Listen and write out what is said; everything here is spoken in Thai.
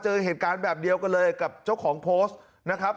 เจอเหตุการณ์แบบเดียวกันเลยกับเจ้าของโพสต์นะครับ